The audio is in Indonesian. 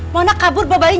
mona kabur bebek